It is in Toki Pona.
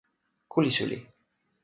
ku li suli.